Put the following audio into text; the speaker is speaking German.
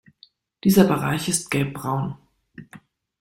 Dieser Bereich ist gelbbraun.